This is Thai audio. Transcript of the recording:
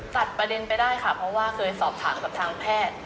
จัดประเด็นไปได้ค่ะเพราะว่าเคยสอบถามกับทางแพทย์